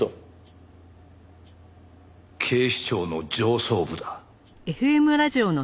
警視庁の上層部だ。